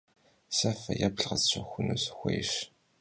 Se feêplh khesşexunu sxuêyş.